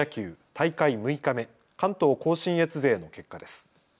大会６日目、関東甲信越勢の結果です。